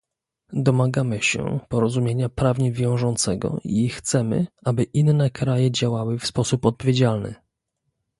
Domagamy się porozumienia prawnie wiążącego i chcemy, aby inne kraje działały w sposób odpowiedzialny